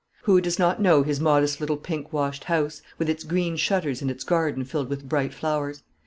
Who does not know his modest little pink washed house, with its green shutters and its garden filled with bright flowers?